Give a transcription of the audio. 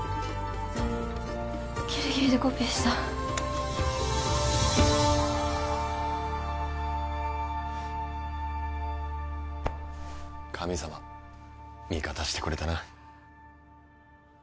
ギリギリでコピーした神様味方してくれたな